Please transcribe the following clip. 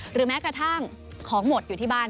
แม้กระทั่งของหมดอยู่ที่บ้าน